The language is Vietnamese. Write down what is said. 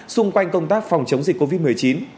xung quanh công tác phòng chống dịch covid một mươi chín